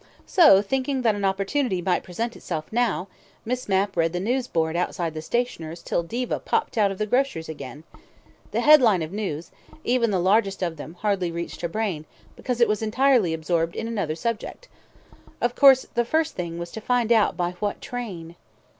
So, thinking that an opportunity might present itself now, Miss Mapp read the news board outside the stationer's till Diva popped out of the grocer's again. The headlines of news, even the largest of them, hardly reached her brain, because it was entirely absorbed in another subject. Of course, the first thing was to find out by what train